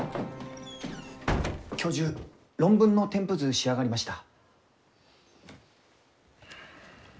教授論文の添付図仕上がりました。